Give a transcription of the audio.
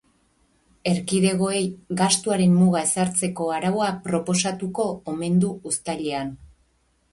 Erkidegoei gastuaren muga ezartzeko araua proposatuko omen du uztailean.